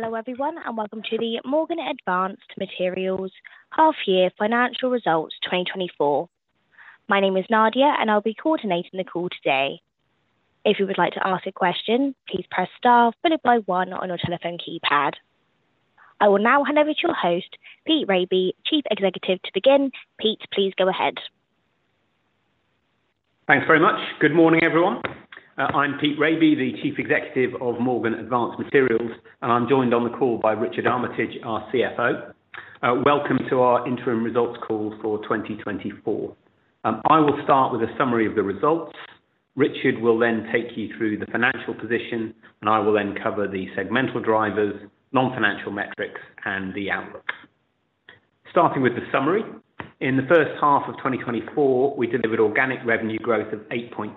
Hello, everyone, and welcome to the Morgan Advanced Materials Half Year Financial Results 2024. My name is Nadia, and I'll be coordinating the call today. If you would like to ask a question, please press star followed by one on your telephone keypad. I will now hand over to your host, Pete Raby, Chief Executive, to begin. Pete, please go ahead. Thanks very much. Good morning, everyone. I'm Pete Raby, the Chief Executive of Morgan Advanced Materials, and I'm joined on the call by Richard Armitage, our CFO. Welcome to our interim results call for 2024. I will start with a summary of the results. Richard will then take you through the financial position, and I will then cover the segmental drivers, non-financial metrics, and the outlook. Starting with the summary, in the first half of 2024, we delivered organic revenue growth of 8.2%,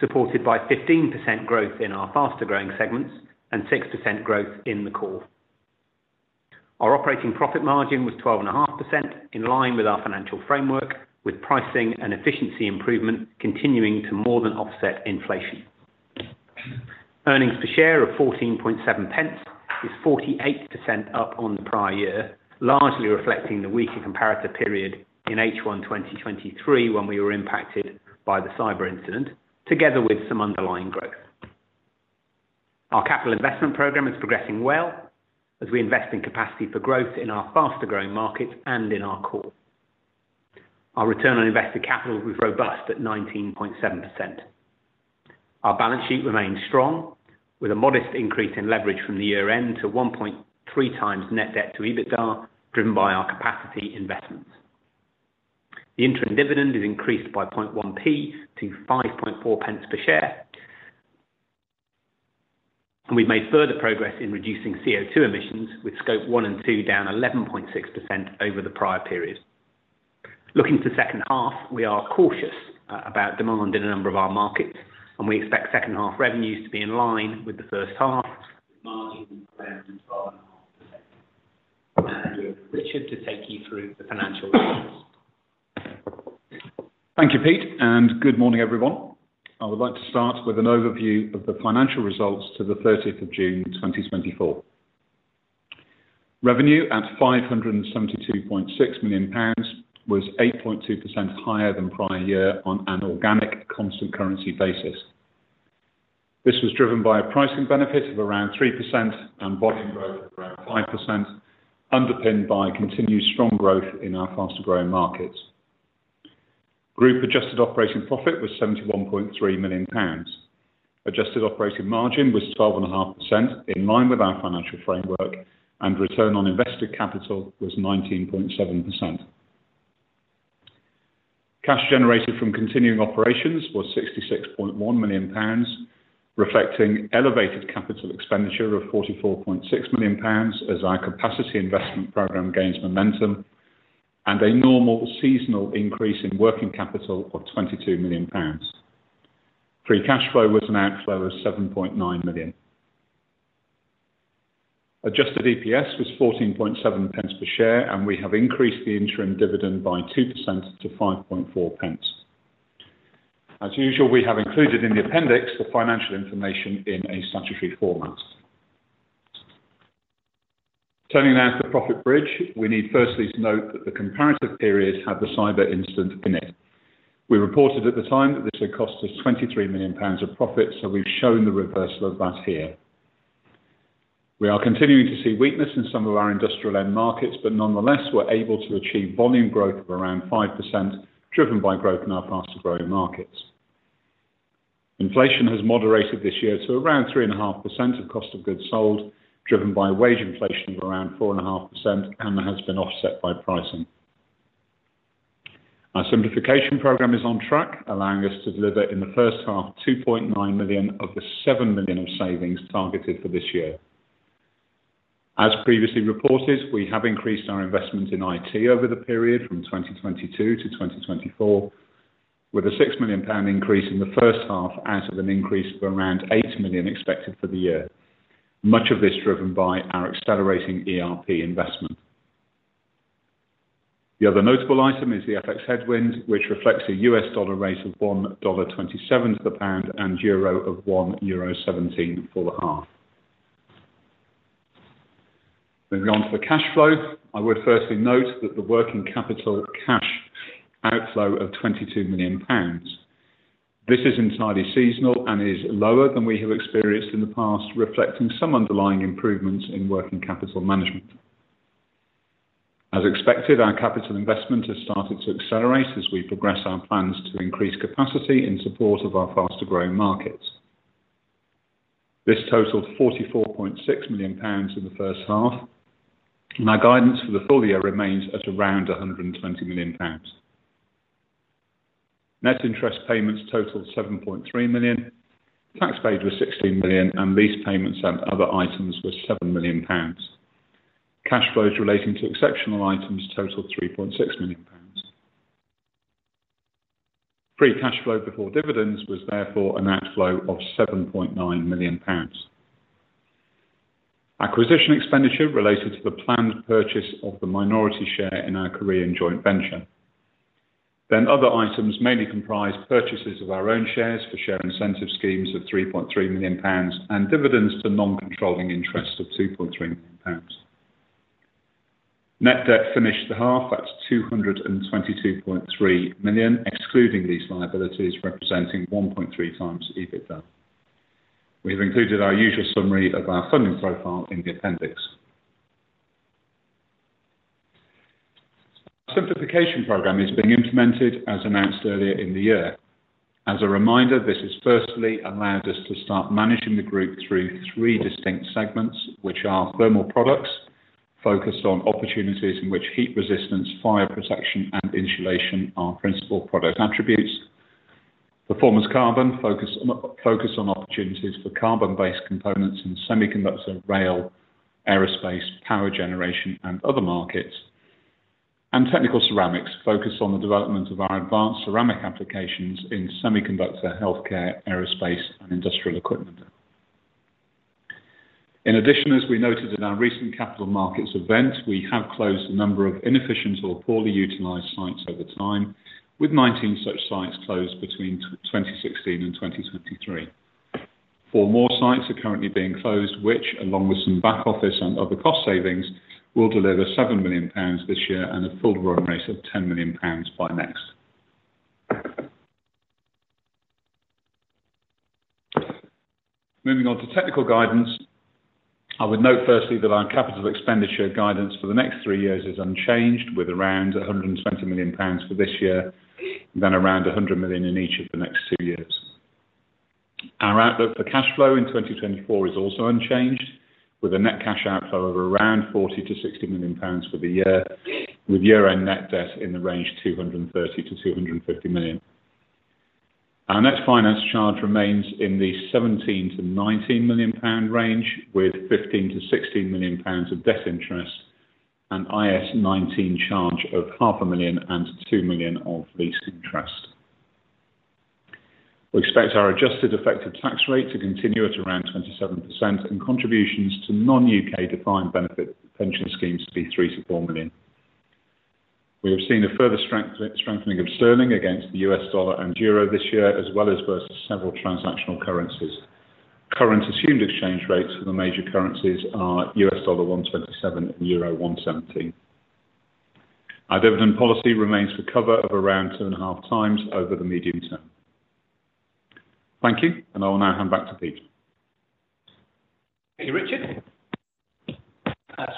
supported by 15% growth in our faster-growing segments and 6% growth in the core. Our operating profit margin was 12.5%, in line with our financial framework, with pricing and efficiency improvement continuing to more than offset inflation. Earnings per share of 0.147 is 48% up on the prior year, largely reflecting the weaker comparative period in H1 2023, when we were impacted by the cyber incident, together with some underlying growth. Our capital investment program is progressing well as we invest in capacity for growth in our faster-growing markets and in our core. Our return on invested capital was robust at 19.7%. Our balance sheet remains strong, with a modest increase in leverage from the year-end to 1.3 times net debt to EBITDA, driven by our capacity investments. The interim dividend is increased by 0.001 to 0.054 per share. We've made further progress in reducing CO2 emissions, with Scope 1 and 2 down 11.6% over the prior period. Looking to second half, we are cautious about demand in a number of our markets, and we expect second half revenues to be in line with the first half, margin 12.5%. I now hand over to Richard to take you through the financial results. Thank you, Pete, and good morning, everyone. I would like to start with an overview of the financial results to the 13 June 2024. Revenue at 572.6 million pounds was 8.2% higher than prior year on an organic constant currency basis. This was driven by a pricing benefit of around 3% and volume growth of around 5%, underpinned by continued strong growth in our faster-growing markets. Group adjusted operating profit was 71.3 million pounds. Adjusted operating margin was 12.5%, in line with our financial framework, and return on invested capital was 19.7%. Cash generated from continuing operations was 66.1 million pounds, reflecting elevated capital expenditure of 44.6 million pounds as our capacity investment program gains momentum and a normal seasonal increase in working capital of 22 million pounds. Free cash flow was an outflow of 7.9 million. Adjusted EPS was 14.7 pence per share, and we have increased the interim dividend by 2% to 5.4 pence. As usual, we have included in the appendix the financial information in a statutory format. Turning now to the profit bridge, we need firstly to note that the comparative periods had the cyber incident in it. We reported at the time that this had cost us 23 million pounds of profit, so we've shown the reversal of that here. We are continuing to see weakness in some of our industrial end markets, but nonetheless, we're able to achieve volume growth of around 5%, driven by growth in our faster-growing markets. Inflation has moderated this year to around 3.5% of cost of goods sold, driven by wage inflation of around 4.5% and has been offset by pricing. Our simplification program is on track, allowing us to deliver, in the first half, 2.9 million of the 7 million of savings targeted for this year. As previously reported, we have increased our investment in IT over the period from 2022 to 2024, with a 6 million pound increase in the first half out of an increase of around 8 million expected for the year, much of this driven by our accelerating ERP investment. The other notable item is the FX headwind, which reflects a US dollar rate of $1.27 to the pound and euro of 1.17 euro for the half. Moving on to the cash flow, I would firstly note that the working capital cash outflow of 22 million pounds. This is entirely seasonal and is lower than we have experienced in the past, reflecting some underlying improvements in working capital management. As expected, our capital investment has started to accelerate as we progress our plans to increase capacity in support of our faster-growing markets. This totaled 44.6 million pounds in the first half, and our guidance for the full year remains at around 120 million pounds. Net interest payments totaled 7.3 million. Tax paid was 16 million, and lease payments and other items were 7 million pounds. Cash flows relating to exceptional items totaled 3.6 million pounds. Free cash flow before dividends was therefore an outflow of 7.9 million pounds. Acquisition expenditure related to the planned purchase of the minority share in our Korean joint venture. Then other items mainly comprise purchases of our own shares for share incentive schemes of 3.3 million pounds, and dividends to non-controlling interests of 2.3 million pounds. Net debt finished the half, that's 222.3 million, excluding these liabilities, representing 1.3 times EBITDA. We've included our usual summary of our funding profile in the appendix. Simplification program is being implemented as announced earlier in the year. As a reminder, this has firstly allowed us to start managing the group through three distinct segments, which are Thermal Products, focused on opportunities in which heat resistance, fire protection, and insulation are principal product attributes. Performance Carbon, focused on opportunities for carbon-based components in semiconductor, rail, aerospace, power generation, and other markets. And Technical Ceramics, focused on the development of our advanced ceramic applications in semiconductor, healthcare, aerospace, and industrial equipment. In addition, as we noted in our recent capital markets event, we have closed a number of inefficient or poorly utilized sites over time, with 19 such sites closed between 2016 and 2023. 4 more sites are currently being closed, which along with some back office and other cost savings, will deliver 7 million pounds this year and a full run rate of 10 million pounds by next. Moving on to technical guidance, I would note firstly that our capital expenditure guidance for the next three years is unchanged, with around 120 million pounds for this year, then around 100 million in each of the next two years. Our outlook for cash flow in 2024 is also unchanged, with a net cash outflow of around 40 million-60 million pounds for the year, with year-end net debt in the range of 230 million-250 million. Our net finance charge remains in the 17 million-19 million pound range, with 15 million-16 million pounds of debt interest and IAS 19 charge of 0.5 million and 2 million of lease interest. We expect our adjusted effective tax rate to continue at around 27%, and contributions to non-UK defined benefit pension schemes to be 3-4 million. We have seen a further strengthening of sterling against the US dollar and euro this year, as well as versus several transactional currencies. Current assumed exchange rates for the major currencies are US dollar 1.27, euro 1.17. Our dividend policy remains for cover of around 2.5 times over the medium term. Thank you, and I will now hand back to Pete. Thank you, Richard.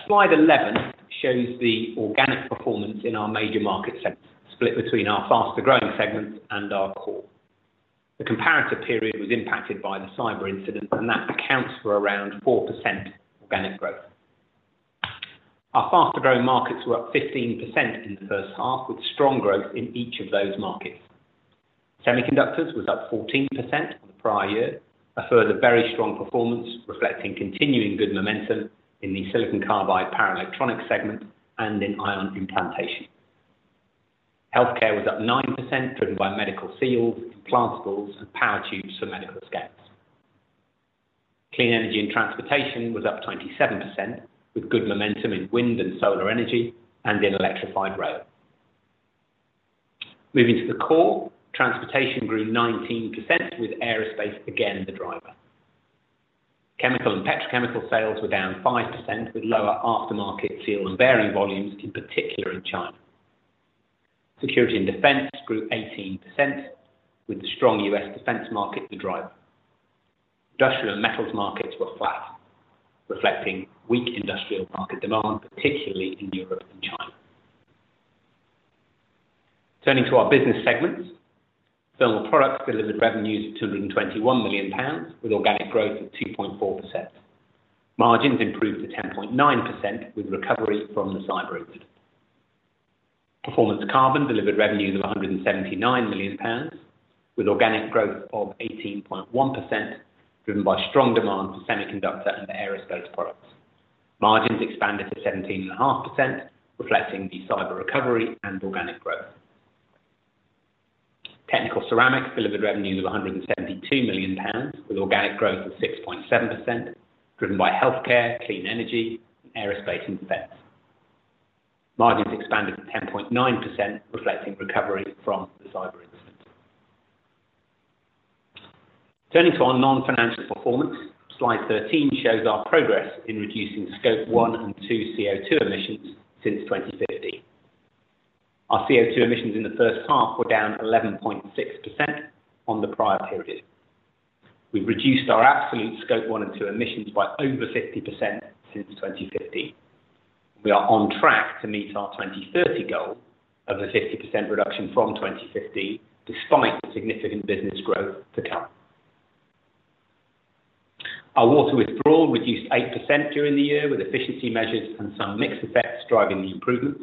Slide 11 shows the organic performance in our major market sectors, split between our faster-growing segments and our core. The comparative period was impacted by the cyber incident, and that accounts for around 4% organic growth. Our faster-growing markets were up 15% in the first half, with strong growth in each of those markets. Semiconductors was up 14% on the prior year, a further very strong performance, reflecting continuing good momentum in the silicon carbide power electronics segment and in ion implantation. Healthcare was up 9%, driven by medical seals, implantables, and power tubes for medical scans. Clean energy and transportation was up 27%, with good momentum in wind and solar energy and in electrified rail. Moving to the core, transportation grew 19%, with aerospace again, the driver. Chemical and petrochemical sales were down 5%, with lower aftermarket seal and bearing volumes, in particular in China. Security and defense grew 18%, with the strong U.S. defense market the driver. Industrial and metals markets were flat, reflecting weak industrial market demand, particularly in Europe and China. Turning to our business segments. Thermal Products delivered revenues of 221 million pounds, with organic growth of 2.4%. Margins improved to 10.9%, with recovery from the cyber incident. Performance Carbon delivered revenues of 179 million pounds, with organic growth of 18.1%, driven by strong demand for semiconductor and aerospace products. Margins expanded to 17.5%, reflecting the cyber recovery and organic growth. Technical Ceramics delivered revenues of 172 million pounds, with organic growth of 6.7%, driven by healthcare, clean energy, and aerospace and defense. Margins expanded to 10.9%, reflecting recovery from the cyber incident. Turning to our non-financial performance, slide 13 shows our pr+ogress in reducing Scope 1 and 2 CO2 emissions since 2050. Our CO2 emissions in the first half were down 11.6% on the prior period. We've reduced our absolute Scope 1 and 2 emissions by over 50% since 2050. We are on track to meet our 2030 goal of a 50% reduction from 2050, despite significant business growth to come. Our water withdrawal reduced 8% during the year, with efficiency measures and some mixed effects driving the improvements.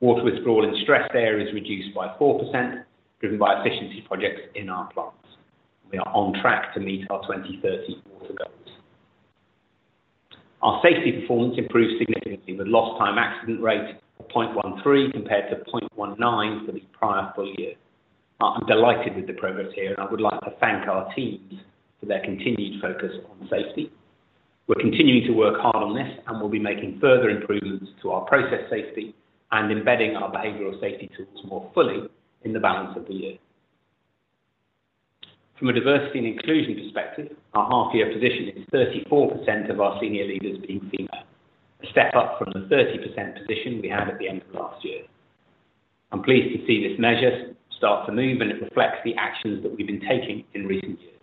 Water withdrawal in stressed areas reduced by 4%, driven by efficiency projects in our plants. We are on track to meet our 2030 water goals. Our safety performance improved significantly, with lost time accident rate of 0.13 compared to 0.19 for the prior full year. I'm delighted with the progress here, and I would like to thank our teams for their continued focus on safety... We're continuing to work hard on this, and we'll be making further improvements to our process safety and embedding our behavioral safety tools more fully in the balance of the year. From a diversity and inclusion perspective, our half year position is 34% of our senior leaders being female, a step up from the 30% position we had at the end of last year. I'm pleased to see this measure start to move, and it reflects the actions that we've been taking in recent years.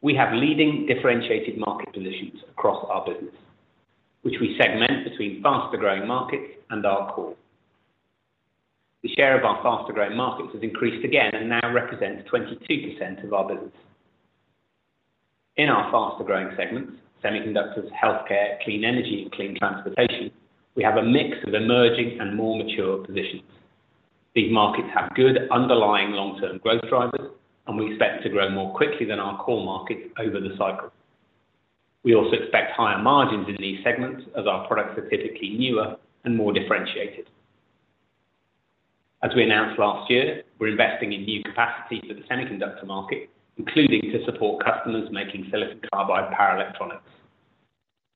We have leading differentiated market positions across our business, which we segment between faster-growing markets and our core. The share of our faster-growing markets has increased again and now represents 22% of our business. In our faster-growing segments, semiconductors, healthcare, clean energy, and clean transportation, we have a mix of emerging and more mature positions. These markets have good underlying long-term growth drivers, and we expect to grow more quickly than our core markets over the cycle. We also expect higher margins in these segments as our products are typically newer and more differentiated. As we announced last year, we're investing in new capacity for the semiconductor market, including to support customers making silicon carbide power electronics.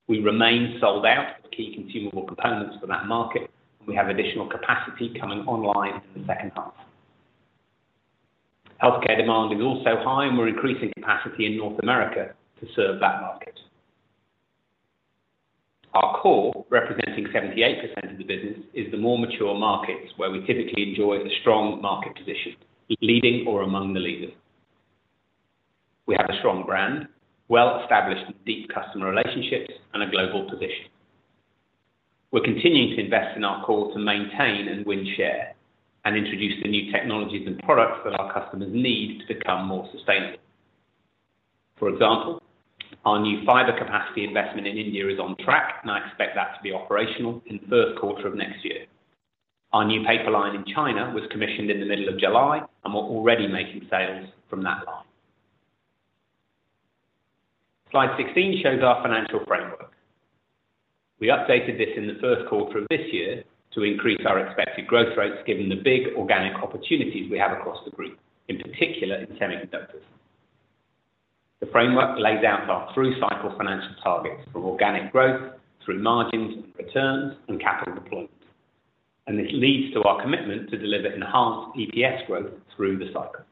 We remain sold out with key consumable components for that market. We have additional capacity coming online in the second half. Healthcare demand is also high, and we're increasing capacity in North America to serve that market. Our core, representing 78% of the business, is the more mature markets where we typically enjoy a strong market position, leading or among the leaders. We have a strong brand, well-established and deep customer relationships, and a global position. We're continuing to invest in our core to maintain and win share and introduce the new technologies and products that our customers need to become more sustainable. For example, our new fiber capacity investment in India is on track, and I expect that to be operational in the first quarter of next year. Our new paper line in China was commissioned in the middle of July, and we're already making sales from that line. Slide 16 shows our financial framework. We updated this in the first quarter of this year to increase our expected growth rates, given the big organic opportunities we have across the group, in particular in semiconductors. The framework lays out our through-cycle financial targets from organic growth through margins, returns, and capital deployment, and this leads to our commitment to deliver enhanced EPS growth through the cycle.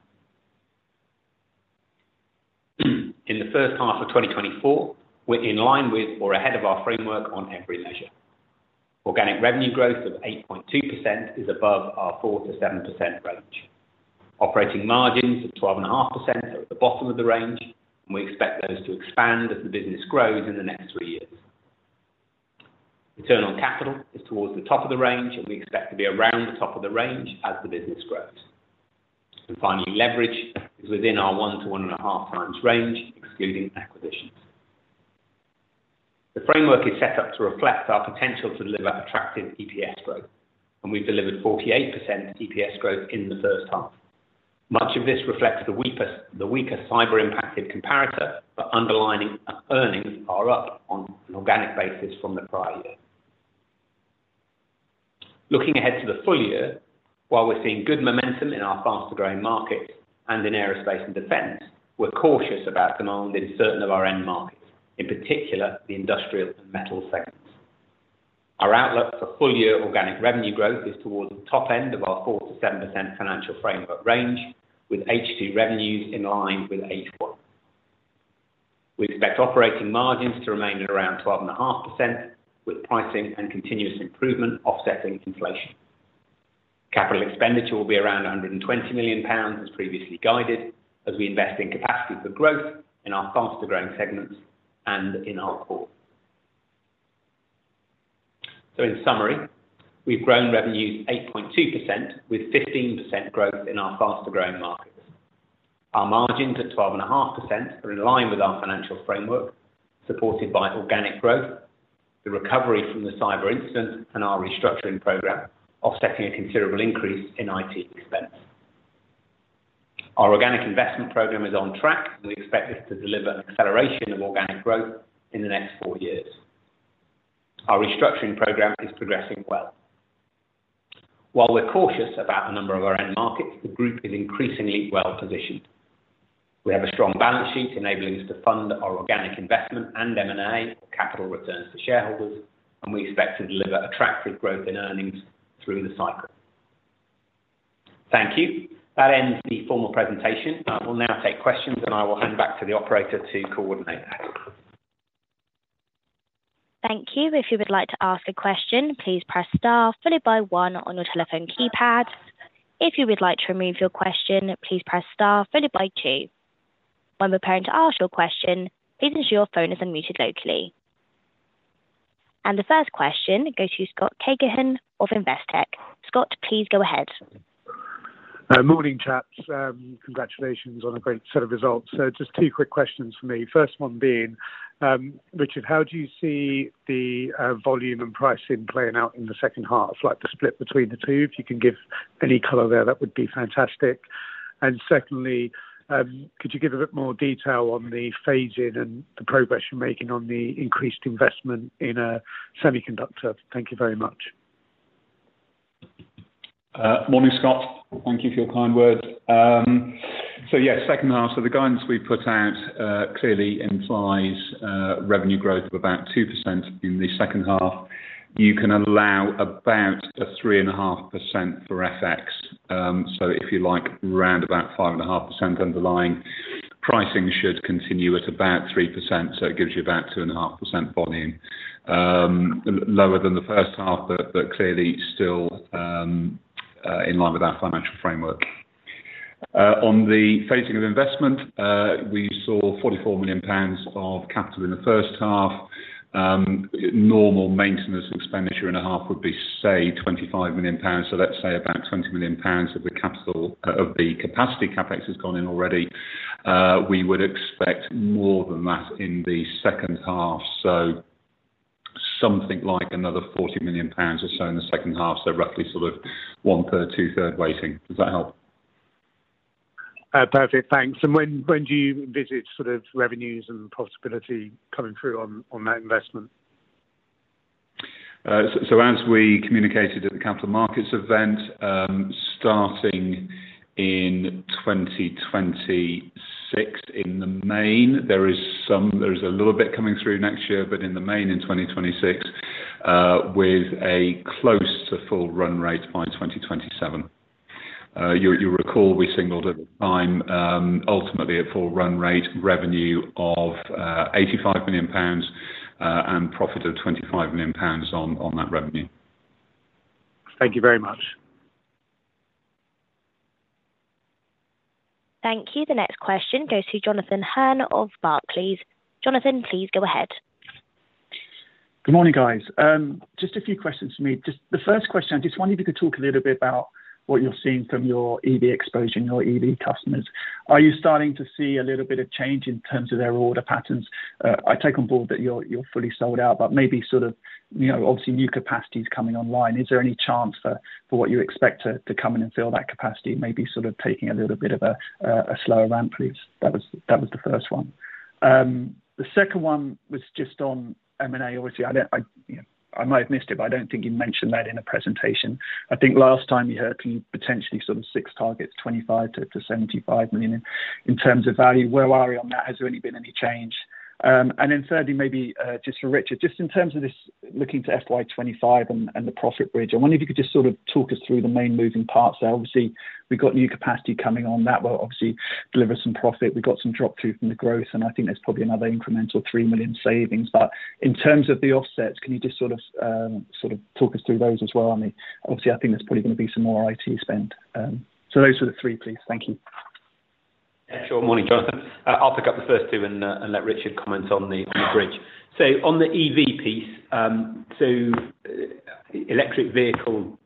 In the first half of 2024, we're in line with or ahead of our framework on every measure. Organic revenue growth of 8.2% is above our 4%-7% range. Operating margins of 12.5% are at the bottom of the range, and we expect those to expand as the business grows in the next three years. ROIC is towards the top of the range, and we expect to be around the top of the range as the business grows. And finally, leverage is within our 1-1.5 times range, excluding acquisitions. The framework is set up to reflect our potential to deliver attractive EPS growth, and we've delivered 48% EPS growth in the first half. Much of this reflects the weaker fiber impacted comparator, but underlying earnings are up on an organic basis from the prior year. Looking ahead to the full year, while we're seeing good momentum in our faster-growing markets and in aerospace and defense, we're cautious about demand in certain of our end markets, in particular, the industrial and metal segments. Our outlook for full-year organic revenue growth is towards the top end of our 4%-7% financial framework range, with H2 revenues in line with H1. We expect operating margins to remain at around 12.5%, with pricing and continuous improvement offsetting inflation. Capital expenditure will be around 120 million pounds, as previously guided, as we invest in capacity for growth in our faster-growing segments and in our core. So in summary, we've grown revenues 8.2%, with 15% growth in our faster-growing markets. Our margins at 12.5% are in line with our financial framework, supported by organic growth, the recovery from the cyber incident, and our restructuring program, offsetting a considerable increase in IT expenses. Our organic investment program is on track, and we expect this to deliver an acceleration of organic growth in the next four years. Our restructuring program is progressing well. While we're cautious about a number of our end markets, the group is increasingly well positioned. We have a strong balance sheet, enabling us to fund our organic investment and M&A capital returns to shareholders, and we expect to deliver attractive growth in earnings through the cycle. Thank you. That ends the formal presentation. I will now take questions, and I will hand back to the operator to coordinate that. Thank you. If you would like to ask a question, please press star followed by one on your telephone keypad. If you would like to remove your question, please press star followed by two. When preparing to ask your question, please ensure your phone is unmuted locally. The first question goes to Scott Cagehin of Investec. Scott, please go ahead. Morning, chaps. Congratulations on a great set of results. So just two quick questions from me. First one being, Richard, how do you see the volume and pricing playing out in the second half? Like, the split between the two, if you can give any color there, that would be fantastic. And secondly, could you give a bit more detail on the phasing and the progress you're making on the increased investment in semiconductor? Thank you very much. ... morning, Scott. Thank you for your kind words. So yeah, second half, so the guidance we put out clearly implies revenue growth of about 2% in the second half. You can allow about a 3.5% for FX. So if you like, round about 5.5% underlying pricing should continue at about 3%, so it gives you about 2.5% volume. Lower than the first half, but clearly still in line with our financial framework. On the phasing of investment, we saw 44 million pounds of capital in the first half. Normal maintenance expenditure in a half would be, say, 25 million pounds. So let's say about 20 million pounds of the capital, of the capacity CapEx has gone in already. We would expect more than that in the second half, so something like another 40 million pounds or so in the second half, so roughly sort of one-third, two-thirds weighting. Does that help? Perfect, thanks. And when do you visit sort of revenues and possibility coming through on that investment? So, so as we communicated at the capital markets event, starting in 2026, in the main, there is some—there is a little bit coming through next year, but in the main, in 2026, with a close to full run rate by 2027. You, you recall, we signaled at the time, ultimately a full run rate revenue of 85 million pounds, and profit of 25 million pounds on, on that revenue. Thank you very much. Thank you. The next question goes to Jonathan Hurn of Barclays. Jonathan, please go ahead. Good morning, guys. Just a few questions for me. Just the first question, I just wondered if you could talk a little bit about what you're seeing from your EV exposure and your EV customers. Are you starting to see a little bit of change in terms of their order patterns? I take on board that you're fully sold out, but maybe sort of, you know, obviously, new capacities coming online. Is there any chance for what you expect to come in and fill that capacity, maybe sort of taking a little bit of a slower ramp, please? That was the first one. The second one was just on M&A. Obviously, I don't... I, you know, I might have missed it, but I don't think you mentioned that in the presentation. I think last time you had potentially some six targets, 25 million-75 million. In terms of value, where are you on that? Has there any been any change? And then thirdly, maybe, just for Richard, just in terms of this looking to FY 2025 and the profit bridge, I wonder if you could just sort of talk us through the main moving parts. So obviously, we've got new capacity coming on. That will obviously deliver some profit. We've got some drop-through from the growth, and I think there's probably another incremental 3 million savings. But in terms of the offsets, can you just sort of talk us through those as well? I mean, obviously, I think there's probably gonna be some more IT spend. So those are the three, please. Thank you. Sure. Morning, Jonathan. I'll pick up the first two and let Richard comment on the bridge. So on the EV piece, electric vehicle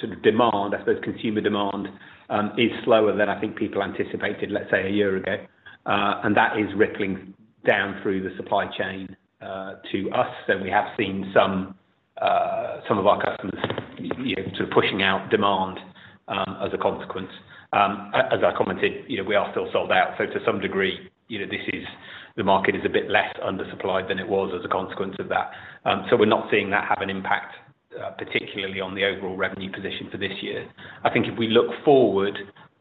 sort of demand, I suppose consumer demand, is slower than I think people anticipated, let's say, a year ago, and that is rippling down through the supply chain to us. So we have seen some of our customers, you know, sort of pushing out demand as a consequence. As I commented, you know, we are still sold out, so to some degree, you know, this is, the market is a bit less undersupplied than it was as a consequence of that. So we're not seeing that have an impact, particularly on the overall revenue position for this year. I think if we look forward,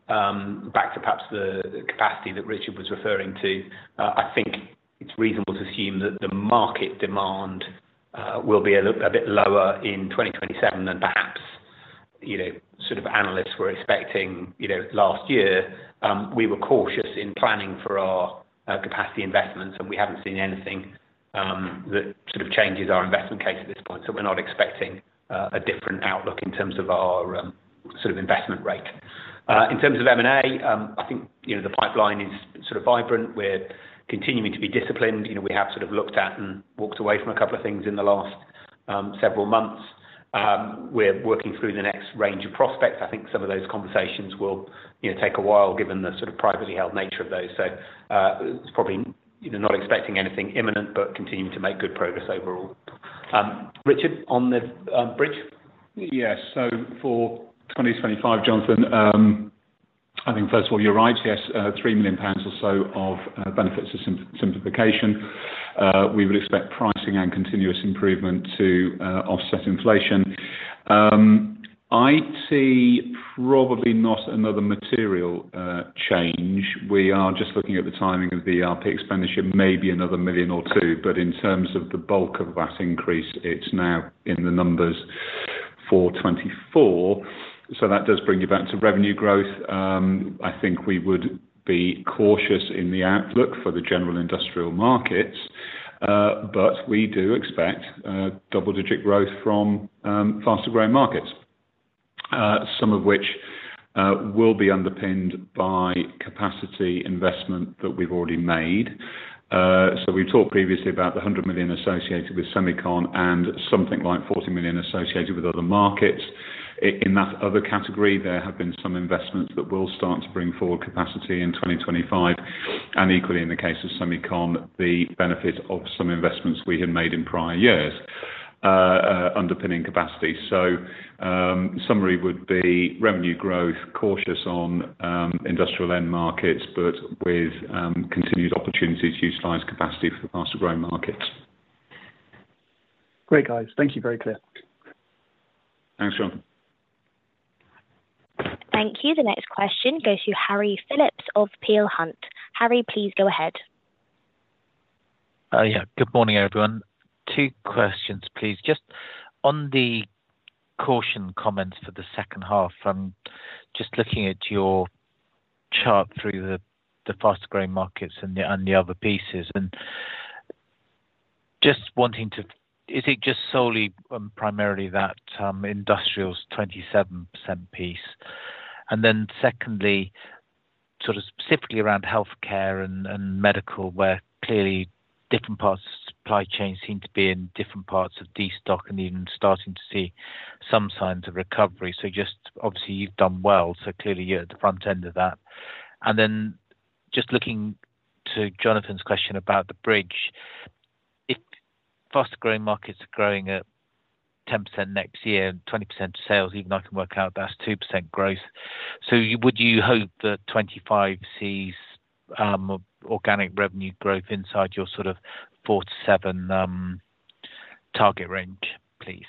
back to perhaps the capacity that Richard was referring to, I think it's reasonable to assume that the market demand will be a little, a bit lower in 2027 than perhaps, you know, sort of analysts were expecting, you know, last year. We were cautious in planning for our capacity investments, and we haven't seen anything that sort of changes our investment case at this point. So we're not expecting a different outlook in terms of our sort of investment rate. In terms of M&A, I think, you know, the pipeline is sort of vibrant. We're continuing to be disciplined. You know, we have sort of looked at and walked away from a couple of things in the last several months. We're working through the next range of prospects. I think some of those conversations will, you know, take a while, given the sort of privately held nature of those. So, it's probably, you know, not expecting anything imminent, but continuing to make good progress overall. Richard, on the bridge? Yes. So for 2025, Jonathan, I think first of all, you're right. Yes, 3 million pounds or so of benefits to simplification. We would expect pricing and continuous improvement to offset inflation. IT, probably not another material change. We are just looking at the timing of the ERP expenditure, maybe another 1 million or 2 million, but in terms of the bulk of that increase, it's now in the numbers for 2024. So that does bring you back to revenue growth. I think we would be cautious in the outlook for the general industrial markets, but we do expect double-digit growth from faster-growing markets, some of which will be underpinned by capacity investment that we've already made. So we talked previously about the 100 million associated with semiconductors and something like 40 million associated with other markets. In that other category, there have been some investments that will start to bring forward capacity in 2025, and equally, in the case of semiconductor, the benefit of some investments we had made in prior years, underpinning capacity. So, summary would be revenue growth, cautious on industrial end markets, but with continued opportunities to utilize capacity for faster-growing markets. Great, guys. Thank you. Very clear. Thanks, John. Thank you. The next question goes to Harry Philips of Peel Hunt. Harry, please go ahead. Yeah. Good morning, everyone. Two questions, please. Just on the caution comments for the second half, I'm just looking at your chart through the faster-growing markets and the other pieces, and just wanting to— Is it just solely primarily that industrials 27% piece? And then secondly, sort of specifically around healthcare and medical, where clearly different parts of the supply chain seem to be in different parts of destock and even starting to see some signs of recovery. So just obviously you've done well, so clearly you're at the front end of that. And then just looking to Jonathan's question about the bridge, if faster-growing markets are growing at 10% next year and 20% sales, even I can work out, that's 2% growth. So, would you hope that 2025 sees organic revenue growth inside your sort of 4-7 target range, please?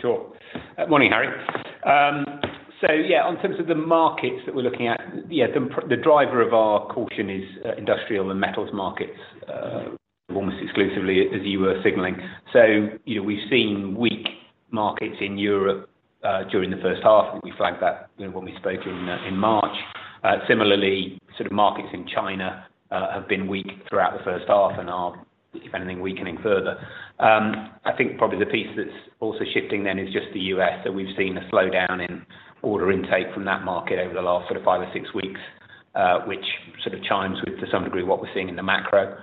Sure. Morning, Harry. So yeah, on terms of the markets that we're looking at, yeah, the driver of our caution is, industrial and metals markets, almost exclusively as you were signaling. So, you know, we've seen weak markets in Europe, during the first half, and we flagged that, you know, when we spoke in, in March. Similarly, sort of markets in China, have been weak throughout the first half and are, if anything, weakening further. I think probably the piece that's also shifting then is just the US, that we've seen a slowdown in order intake from that market over the last sort of five or six weeks, which sort of chimes with, to some degree, what we're seeing in the macro.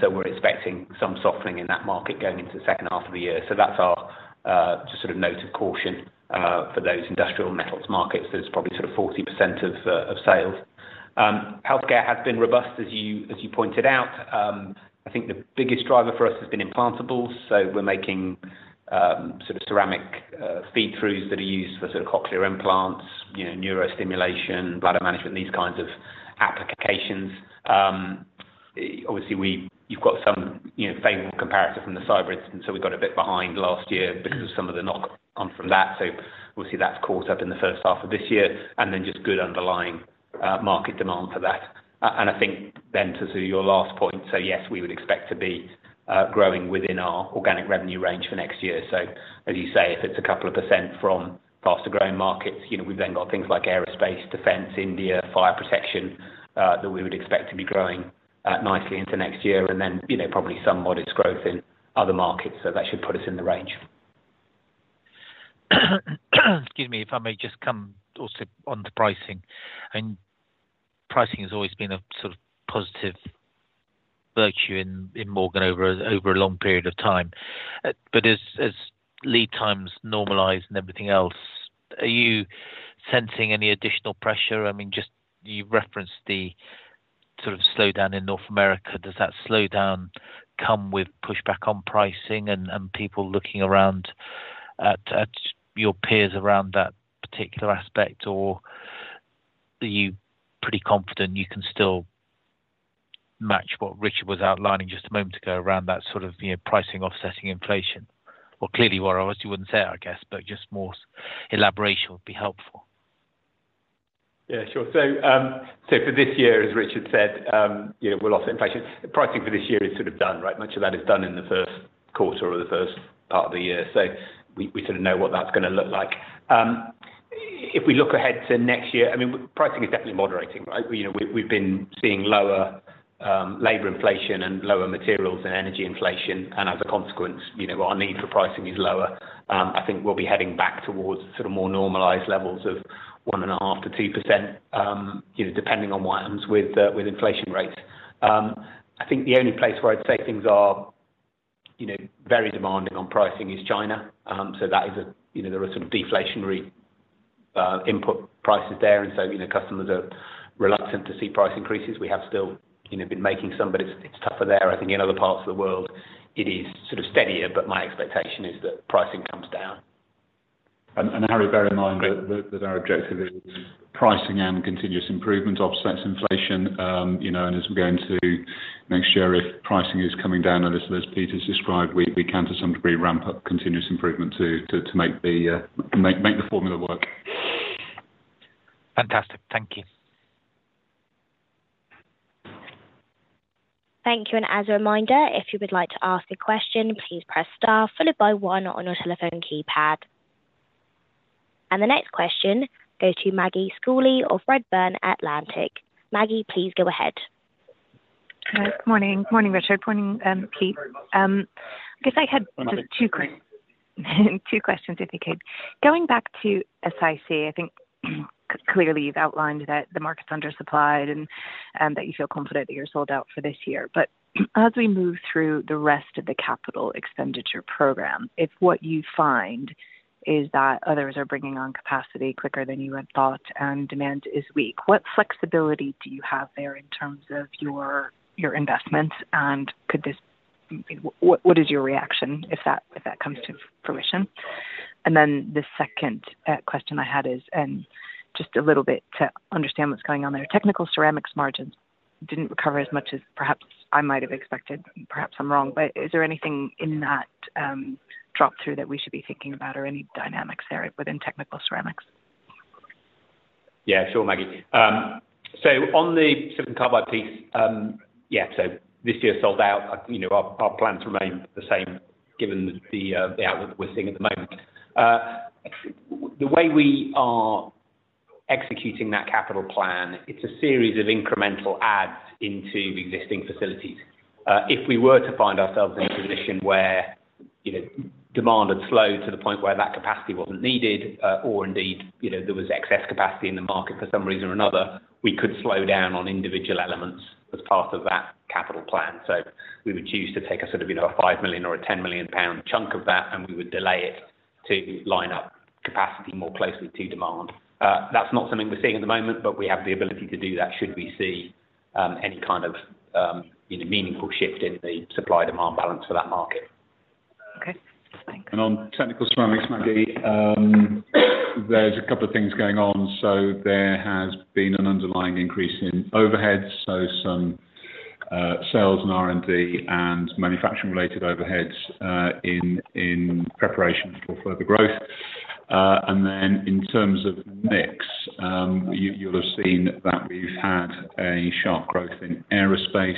So, we're expecting some softening in that market going into the second half of the year. So that's our just sort of note of caution for those industrial metals markets. That's probably sort of 40% of sales. Healthcare has been robust, as you pointed out. I think the biggest driver for us has been Implantables, so we're making sort of ceramic feed-throughs that are used for sort of cochlear implants, you know, neurostimulation, bladder management, these kinds of applications. Obviously, we-- you've got some, you know, favorable comparator from the cyber incident, so we got a bit behind last year because of some of the knock on from that. So obviously, that's caught up in the first half of this year, and then just good underlying market demand for that. I think then to your last point, so yes, we would expect to be growing within our organic revenue range for next year. So as you say, if it's a couple of % from faster-growing markets, you know, we've then got things like aerospace, defense, India, fire protection, that we would expect to be growing nicely into next year, and then, you know, probably some modest growth in other markets, so that should put us in the range. Excuse me, if I may just come also on to pricing. And pricing has always been a sort of positive virtue in Morgan over a long period of time. But as lead times normalize and everything else, are you sensing any additional pressure? I mean, just you referenced the sort of slowdown in North America. Does that slowdown come with pushback on pricing and people looking around at your peers around that particular aspect? Or are you pretty confident you can still match what Richard was outlining just a moment ago around that sort of, you know, pricing offsetting inflation? Or clearly you are, obviously you wouldn't say it, I guess, but just more elaboration would be helpful. Yeah, sure. So, so for this year, as Richard said, you know, we'll offset inflation. Pricing for this year is sort of done, right? Much of that is done in the first quarter or the first part of the year. So we, we sort of know what that's gonna look like. If we look ahead to next year, I mean, pricing is definitely moderating, right? You know, we, we've been seeing lower, labor inflation and lower materials and energy inflation, and as a consequence, you know, our need for pricing is lower. I think we'll be heading back towards sort of more normalized levels of 1.5%-2%, you know, depending on what happens with, with inflation rates. I think the only place where I'd say things are, you know, very demanding on pricing is China. So that is, you know, there are sort of deflationary input prices there, and so, you know, customers are reluctant to see price increases. We have still, you know, been making some, but it's tougher there. I think in other parts of the world, it is sort of steadier, but my expectation is that pricing comes down. And Harry, bear in mind that our objective is pricing and continuous improvement offsets inflation. You know, and as we go into next year, if pricing is coming down a little, as Peter's described, we can, to some degree, ramp up continuous improvement to make the formula work. Fantastic. Thank you. Thank you, and as a reminder, if you would like to ask a question, please press star followed by one on your telephone keypad. The next question goes to Margaret Schooley of Redburn Atlantic. Maggie, please go ahead. Hi. Good morning. Morning, Richard. Morning, Pete. I guess I had just two quick, two questions, if you could. Going back to SiC, I think clearly you've outlined that the market's undersupplied and, and that you feel confident that you're sold out for this year. But as we move through the rest of the capital expenditure program, if what you find is that others are bringing on capacity quicker than you had thought and demand is weak, what flexibility do you have there in terms of your, your investments, and could this... What, what is your reaction if that, if that comes to fruition? And then the second question I had is, and just a little bit to understand what's going on there. Technical Ceramics margins didn't recover as much as perhaps I might have expected, perhaps I'm wrong, but is there anything in that drop-through that we should be thinking about or any dynamics there within Technical Ceramics? Yeah, sure, Margaret. So on the silicon carbide piece, yeah, so this year sold out. You know, our, our plans remain the same given the, the outlet we're seeing at the moment. The way we are executing that capital plan, it's a series of incremental adds into existing facilities. If we were to find ourselves in a position where, you know, demand had slowed to the point where that capacity wasn't needed, or indeed, you know, there was excess capacity in the market for some reason or another, we could slow down on individual elements as part of that capital plan. So we would choose to take a sort of, you know, a 5 million or a 10 million pound chunk of that, and we would delay it to line up capacity more closely to demand. That's not something we're seeing at the moment, but we have the ability to do that should we see any kind of you know meaningful shift in the supply-demand balance for that market. Okay. Thanks. And on Technical Ceramics, Maggie, there's a couple of things going on. So there has been an underlying increase in overheads, so some sales and R&D and manufacturing-related overheads in preparation for further growth. And then in terms of mix, you, you'll have seen that we've had a sharp growth in aerospace.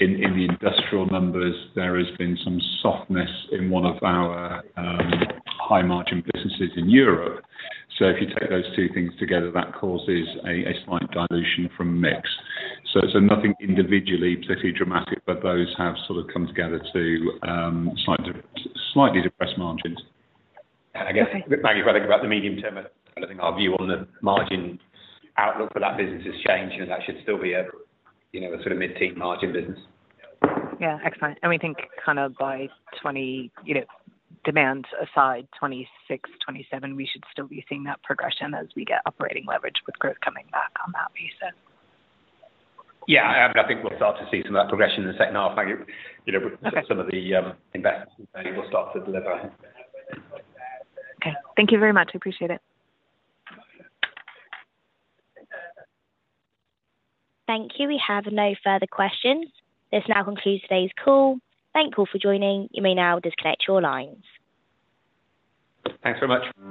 In the industrial numbers, there has been some softness in one of our high margin businesses in Europe. So if you take those two things together, that causes a slight dilution from mix. So nothing individually particularly dramatic, but those have sort of come together to slightly depress margins. Okay. I guess, Margaret, if I think about the medium term, I think our view on the margin outlook for that business has changed, and that should still be a, you know, a sort of mid-teen margin business. Yeah, excellent. We think kind of by 2020, you know, demands aside, 2026, 2027, we should still be seeing that progression as we get operating leverage with growth coming back on that basis. Yeah, I think we'll start to see some of that progression in the second half, Maggie. You know, some of the investments will start to deliver. Okay. Thank you very much. I appreciate it. Thank you. We have no further questions. This now concludes today's call. Thank you all for joining. You may now disconnect your lines. Thanks very much.